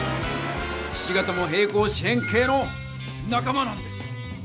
ひし形も平行四辺形のなか間なんです。